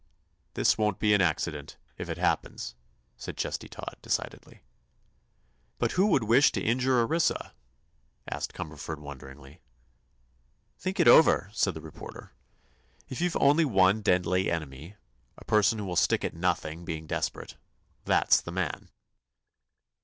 "This won't be an accident—if it happens," said Chesty Todd, decidedly. "But who would wish to injure Orissa?" asked Cumberford, wonderingly. "Think it over," said the reporter. "If you've one deadly enemy—a person who will stick at nothing, being desperate—that's the man."